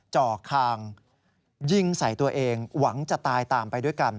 จ่อคางยิงใส่ตัวเองหวังจะตายตามไปด้วยกัน